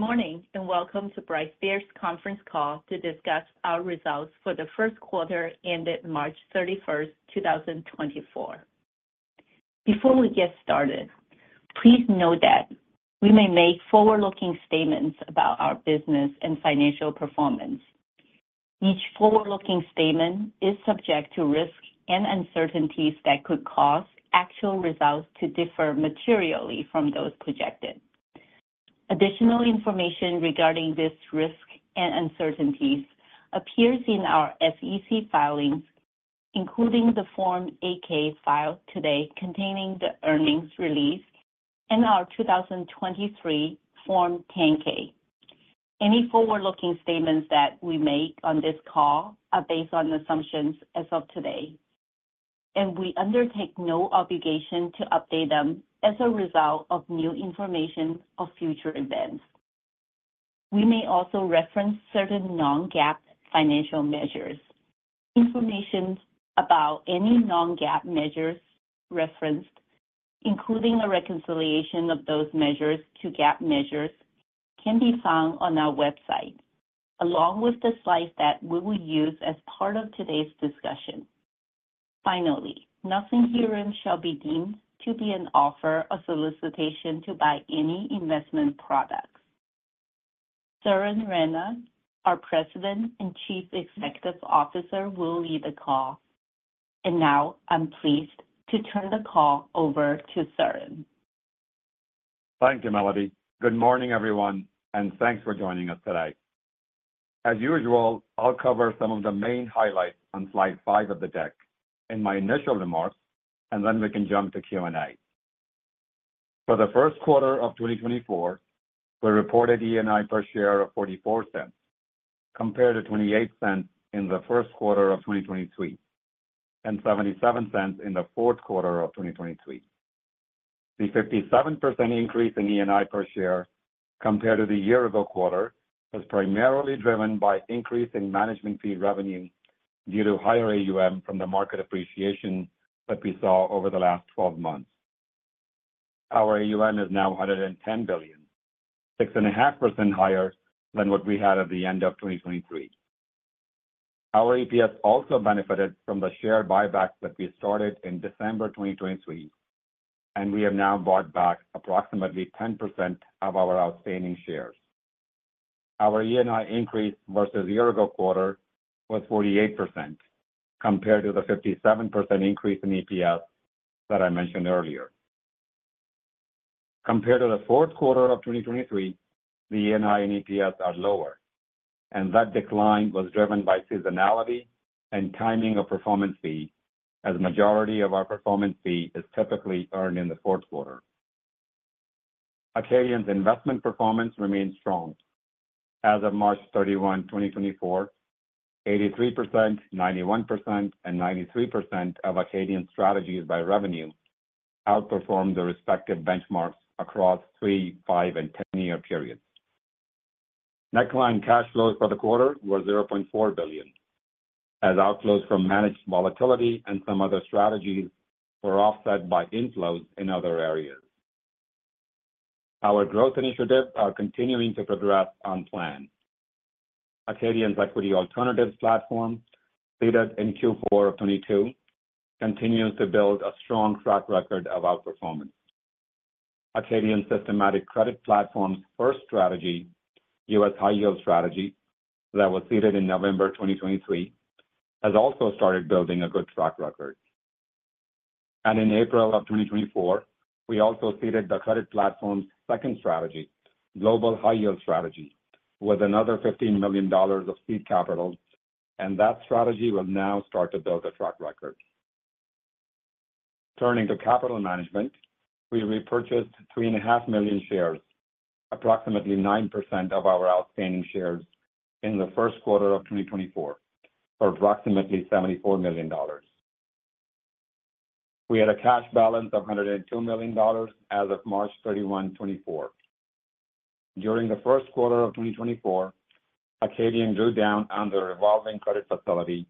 Good morning and welcome to BrightSphere's conference call to discuss our results for the first quarter ended March 31, 2024. Before we get started, please note that we may make forward-looking statements about our business and financial performance. Each forward-looking statement is subject to risk and uncertainties that could cause actual results to differ materially from those projected. Additional information regarding these risks and uncertainties appears in our SEC filings, including the Form 8-K filed today containing the earnings release and our 2023 Form 10-K. Any forward-looking statements that we make on this call are based on assumptions as of today, and we undertake no obligation to update them as a result of new information or future events. We may also reference certain non-GAAP financial measures. Information about any non-GAAP measures referenced, including a reconciliation of those measures to GAAP measures, can be found on our website, along with the slides that we will use as part of today's discussion. Finally, nothing herein shall be deemed to be an offer or solicitation to buy any investment products. Suren Rana, our President and Chief Executive Officer, will lead the call, and now I'm pleased to turn the call over to Suren. Thank you, Melody. Good morning, everyone, and thanks for joining us today. As usual, I'll cover some of the main highlights on Slide five of the deck in my initial remarks, and then we can jump to Q&A. For the first quarter of 2024, we reported ENI per share of $0.44 compared to $0.28 in the first quarter of 2023 and $0.77 in the fourth quarter of 2023. The 57% increase in ENI per share compared to the year-ago quarter was primarily driven by increasing management fee revenue due to higher AUM from the market appreciation that we saw over the last 12 months. Our AUM is now $110 billion, 6.5% higher than what we had at the end of 2023. Our EPS also benefited from the share buybacks that we started in December 2023, and we have now bought back approximately 10% of our outstanding shares. Our ENI increase versus year-ago quarter was 48% compared to the 57% increase in EPS that I mentioned earlier. Compared to the fourth quarter of 2023, the ENI and EPS are lower, and that decline was driven by seasonality and timing of performance fee, as the majority of our performance fee is typically earned in the fourth quarter. Acadian's investment performance remains strong. As of March 31, 2024, 83%, 91%, and 93% of Acadian's strategies by revenue outperformed the respective benchmarks across three, five, and 10-year periods. Net client cash flows for the quarter were $0.4 billion, as outflows from managed volatility and some other strategies were offset by inflows in other areas. Our growth initiatives are continuing to progress on plan. Acadian's equity alternatives platform, seeded in Q4 of 2022, continues to build a strong track record of outperformance. Acadian's systematic credit platform's first strategy, U.S. High-yield strategy, that was seeded in November 2023, has also started building a good track record. In April of 2024, we also seeded the credit platform's second strategy, global high-yield strategy, with another $15 million of seed capital, and that strategy will now start to build a track record. Turning to capital management, we repurchased 3.5 million shares, approximately 9% of our outstanding shares in the first quarter of 2024, for approximately $74 million. We had a cash balance of $102 million as of March 31, 2024. During the first quarter of 2024, Acadian drew down on the revolving credit facility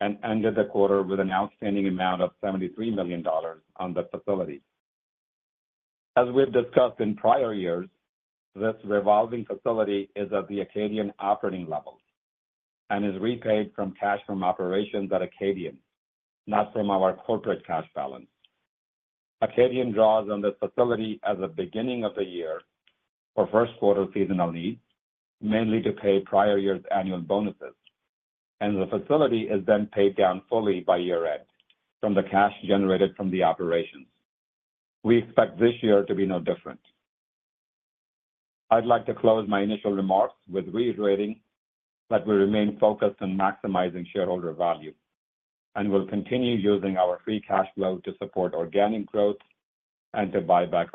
and ended the quarter with an outstanding amount of $73 million on the facility. As we've discussed in prior years, this revolving facility is at the Acadian operating level and is repaid from cash from operations at Acadian, not from our corporate cash balance. Acadian draws on this facility at the beginning of the year for first-quarter seasonal needs, mainly to pay prior year's annual bonuses, and the facility is then paid down fully by year-end from the cash generated from the operations. We expect this year to be no different. I'd like to close my initial remarks with reiterating that we remain focused on maximizing shareholder value and will continue using our free cash flow to support organic growth and to buy back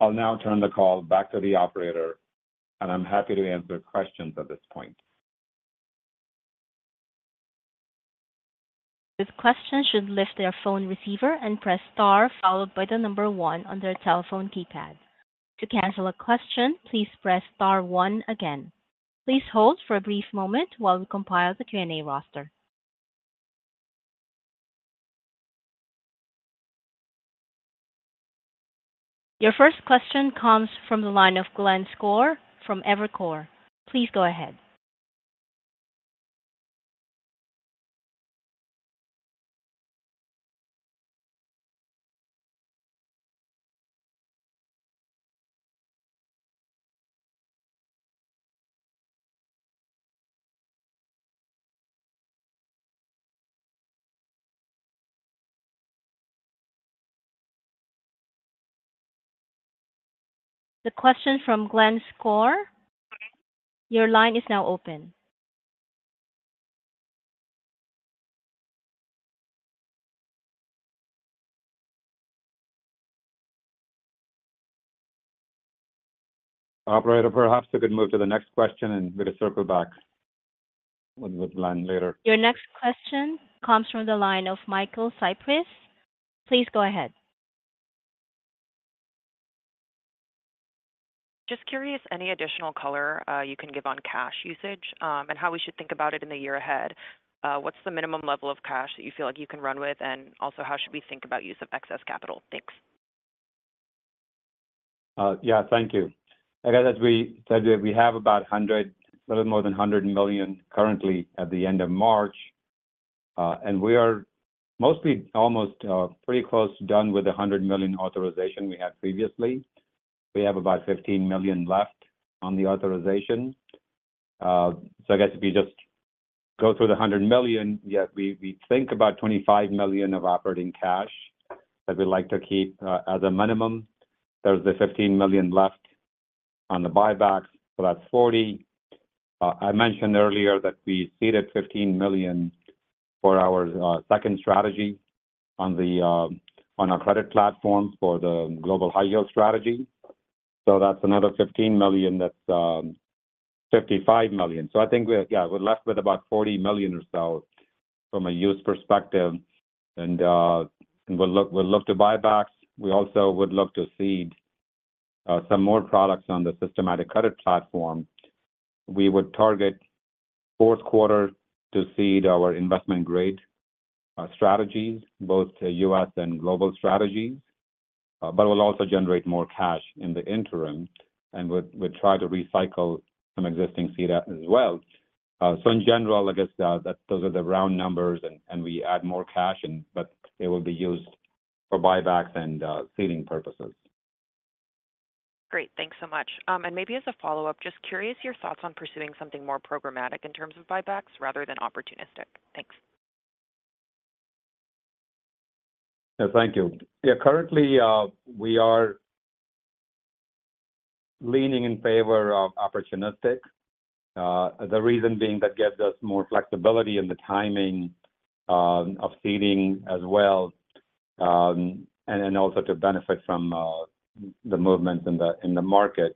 our shares. I'll now turn the call back to the operator, and I'm happy to answer questions at this point. question, participants should lift their phone receiver and press star followed by the number one on their telephone keypad. To cancel a question, please press star one again. Please hold for a brief moment while we compile the Q&A roster. Your first question comes from the line of Glenn Schorr from Evercore. Please go ahead. The question from Glenn Schorr? Your line is now open. Operator, perhaps you could move to the next question and we could circle back with Glenn later. Your next question comes from the line of Michael Cyprys. Please go ahead. Just curious, any additional color you can give on cash usage and how we should think about it in the year ahead. What's the minimum level of cash that you feel like you can run with, and also how should we think about use of excess capital? Thanks. Yeah, thank you. Like I said, we have about $100, a little more than $100 million currently at the end of March, and we are mostly almost pretty close done with the $100 million authorization we had previously. We have about $15 million left on the authorization. So I guess if you just go through the $100 million, yeah, we think about $25 million of operating cash that we'd like to keep as a minimum. There's the $15 million left on the buybacks, so that's $40 million. I mentioned earlier that we seeded $15 million for our second strategy on our credit platform for the global high-yield strategy, so that's another $15 million, that's $55 million. So I think, yeah, we're left with about $40 million or so from a use perspective, and we'll look to buybacks. We also would look to seed some more products on the systematic credit platform. We would target fourth quarter to seed our investment-grade strategies, both U.S. and global strategies, but we'll also generate more cash in the interim and would try to recycle some existing seed as well. In general, I guess those are the round numbers, and we add more cash, but it will be used for buybacks and seeding purposes. Great. Thanks so much. Maybe as a follow-up, just curious your thoughts on pursuing something more programmatic in terms of buybacks rather than opportunistic? Thanks. Yeah, thank you. Yeah, currently, we are leaning in favor of opportunistic, the reason being that gives us more flexibility in the timing of seeding as well and also to benefit from the movements in the market.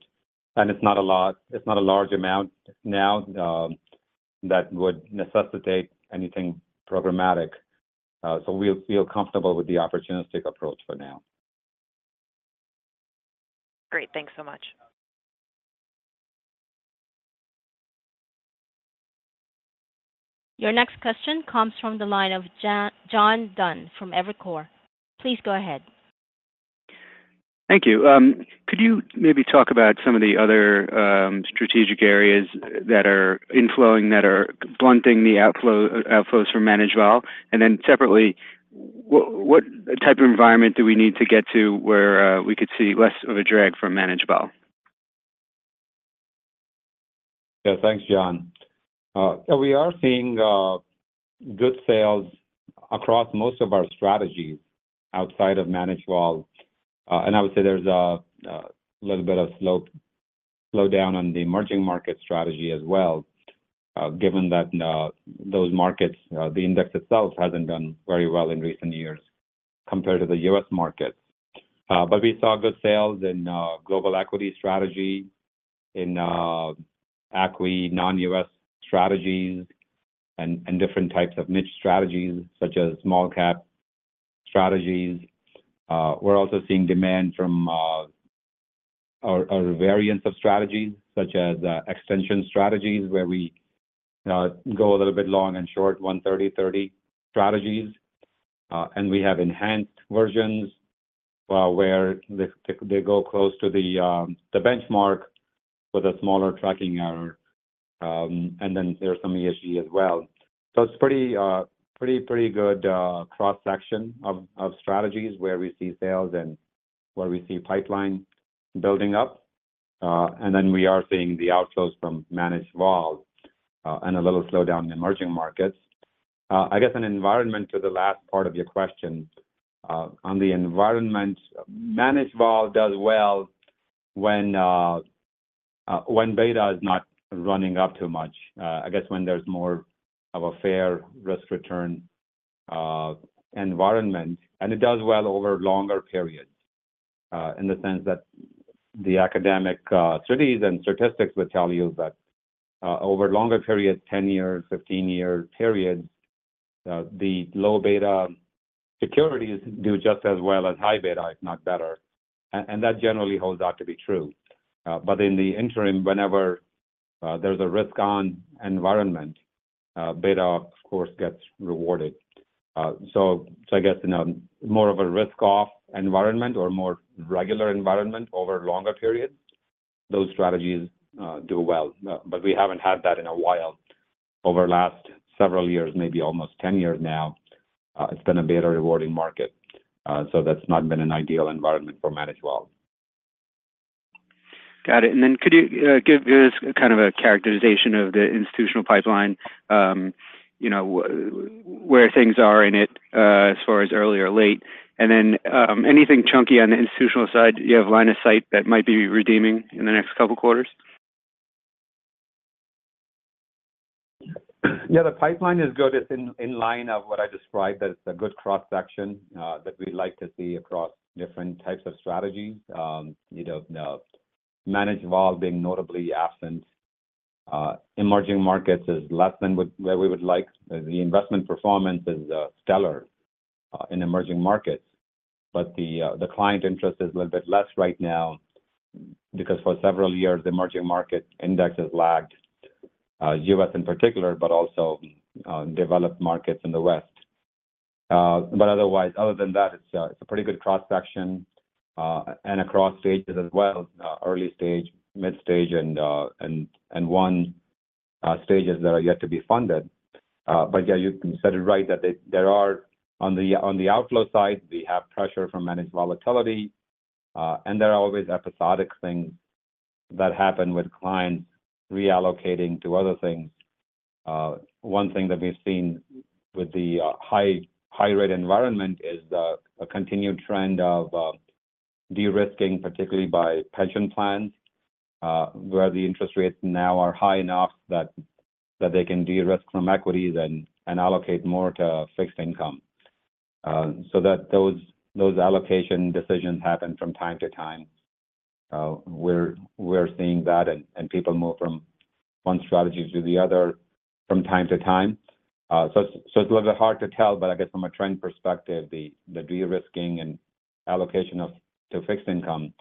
It's not a large amount now that would necessitate anything programmatic, so we'll feel comfortable with the opportunistic approach for now. Great. Thanks so much. Your next question comes from the line of John Dunn from Evercore. Please go ahead. Thank you. Could you maybe talk about some of the other strategic areas that are inflowing that are blunting the outflows from managed volatility? And then separately, what type of environment do we need to get to where we could see less of a drag from managed volatility? Yeah, thanks, John. Yeah, we are seeing good sales across most of our strategies outside of managed volatility, and I would say there's a little bit of slowdown on the emerging markets strategy as well, given that those markets the index itself hasn't done very well in recent years compared to the U.S. markets. But we saw good sales in global equity strategy, in ACWI non-U.S. strategies, and different types of niche strategies such as small-cap strategies. We're also seeing demand from a variety of strategies such as extension strategies where we go a little bit long and short 130/30 strategies, and we have enhanced versions where they go close to the benchmark with a smaller tracking error, and then there's some ESG as well. So it's a pretty good cross-section of strategies where we see sales and where we see pipeline building up, and then we are seeing the outflows from managed volatility and a little slowdown in emerging markets. I guess an environment to the last part of your question. On the environment, managed volatility does well when beta is not running up too much, I guess when there's more of a fair risk-return environment, and it does well over longer periods in the sense that the academic studies and statistics would tell you that over longer periods, 10-year, 15-year periods, the low-beta securities do just as well as high beta, if not better, and that generally holds out to be true. But in the interim, whenever there's a risk-on environment, beta, of course, gets rewarded. So I guess in a more of a risk-off environment or more regular environment over longer periods, those strategies do well. But we haven't had that in a while. Over the last several years, maybe almost 10 years now, it's been a beta-rewarding market, so that's not been an ideal environment for managed volatility. Got it. And then could you give us kind of a characterization of the institutional pipeline, where things are in it as far as early or late? And then anything chunky on the institutional side you have line of sight that might be redeeming in the next couple quarters? Yeah, the pipeline is good in line with what I described, that it's a good cross-section that we'd like to see across different types of strategies, managed volatility being notably absent. Emerging markets is less than where we would like. The investment performance is stellar in emerging markets, but the client interest is a little bit less right now because for several years, the emerging market indexes lagged, U.S. in particular, but also developed markets in the West. But otherwise, other than that, it's a pretty good cross-section and across stages as well, early stage, mid-stage, and late stages that are yet to be funded. But yeah, you said it right that there are on the outflow side, we have pressure from managed volatility, and there are always episodic things that happen with clients reallocating to other things. One thing that we've seen with the high-rate environment is a continued trend of de-risking, particularly by pension plans, where the interest rates now are high enough that they can de-risk from equities and allocate more to fixed income. So those allocation decisions happen from time to time. We're seeing that, and people move from one strategy to the other from time to time. So it's a little bit hard to tell, but I guess from a trend perspective, the de-risking and allocation to fixed income,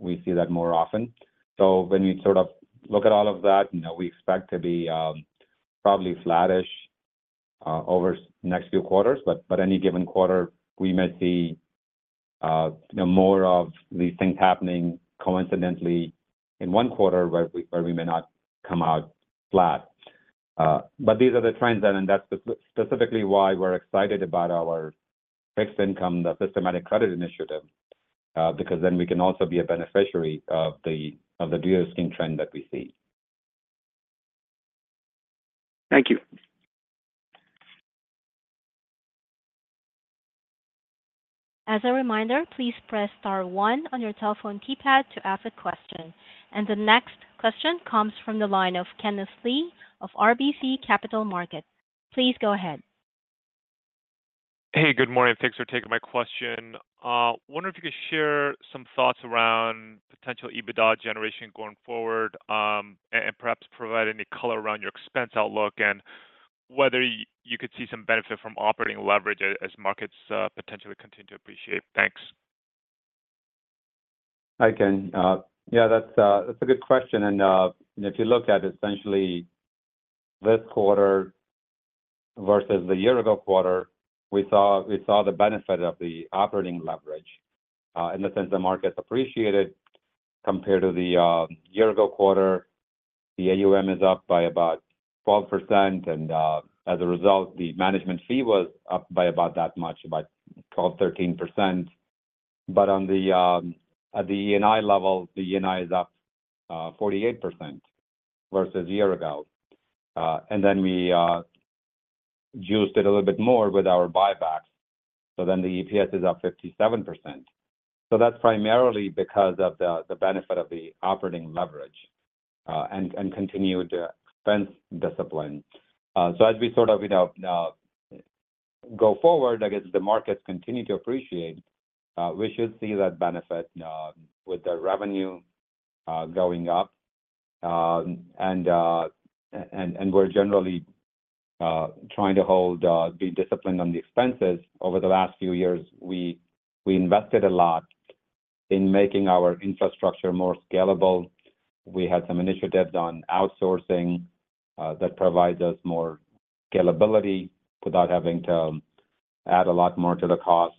we see that more often. So when we sort of look at all of that, we expect to be probably flattish over the next few quarters, but any given quarter, we may see more of these things happening coincidentally in one quarter where we may not come out flat. But these are the trends, and that's specifically why we're excited about our fixed income, the systematic credit initiative, because then we can also be a beneficiary of the de-risking trend that we see. Thank you. As a reminder, please press star one on your telephone keypad to ask a question. The next question comes from the line of Kenneth Lee of RBC Capital Markets. Please go ahead. Hey, good morning. Thanks for taking my question. Wonder if you could share some thoughts around potential EBITDA generation going forward and perhaps provide any color around your expense outlook and whether you could see some benefit from operating leverage as markets potentially continue to appreciate? Thanks. I can. Yeah, that's a good question. If you look at essentially this quarter versus the year-ago quarter, we saw the benefit of the operating leverage in the sense the markets appreciated compared to the year-ago quarter. The AUM is up by about 12%, and as a result, the management fee was up by about that much, about 12%-13%. But on the ENI level, the ENI is up 48% versus year ago. Then we juiced it a little bit more with our buybacks, so then the EPS is up 57%. So that's primarily because of the benefit of the operating leverage and continued expense discipline. So as we sort of go forward, I guess the markets continue to appreciate. We should see that benefit with the revenue going up, and we're generally trying to hold, be disciplined on the expenses. Over the last few years, we invested a lot in making our infrastructure more scalable. We had some initiatives on outsourcing that provides us more scalability without having to add a lot more to the cost.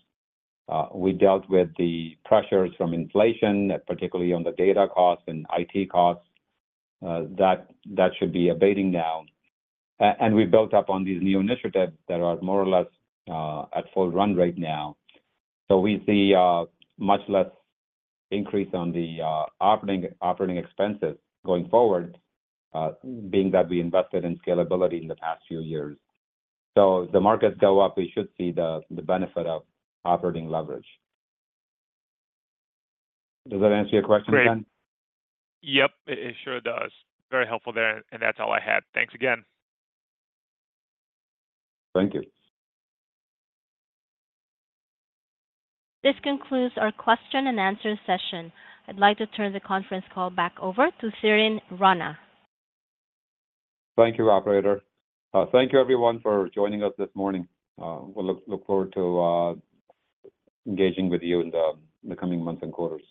We dealt with the pressures from inflation, particularly on the data costs and IT costs. That should be abating now. And we built up on these new initiatives that are more or less at full run right now. So we see a much less increase on the operating expenses going forward, being that we invested in scalability in the past few years. So if the markets go up, we should see the benefit of operating leverage. Does that answer your question, Ken? Great. Yep, it sure does. Very helpful there, and that's all I had. Thanks again. Thank you. This concludes our question-and-answer session. I'd like to turn the conference call back over to Suren Rana. Thank you, operator. Thank you, everyone, for joining us this morning. We'll look forward to engaging with you in the coming months and quarters.